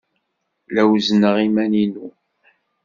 La wezzneɣ iman-inu.